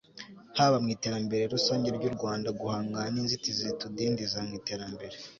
haba mu iterambere rusange ry'u rwanda, guhangana n'inzitizi zitudindiza mu iterambere